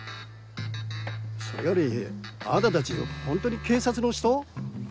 それよりあなたたちホントに警察の人？